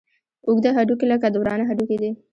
اوږده هډوکي لکه د ورانه هډوکي دي.